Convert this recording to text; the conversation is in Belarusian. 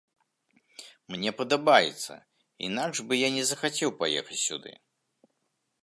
Мне падабаецца, інакш бы я не захацеў паехаць сюды.